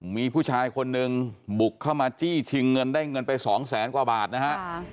มีผู้ชายคนหนึ่งบุกเข้ามาจี้ชิงเงินได้เงินไปสองแสนกว่าบาทนะฮะ